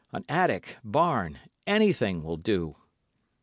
An attic, barn, anything will do.